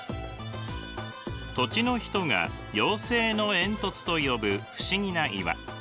土地の人が妖精の煙突と呼ぶ不思議な岩。